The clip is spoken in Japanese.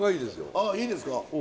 あいいですか。